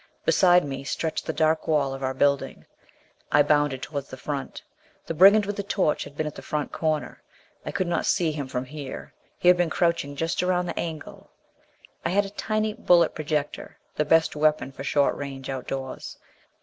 Beside me stretched the dark wall of our building. I bounded toward the front. The brigand with the torch had been at the front corner. I could not see him from here; he had been crouching just around the angle. I had a tiny bullet projector, the best weapon for short range outdoors.